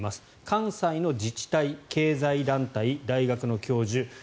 関西の自治体、経済団体大学の教授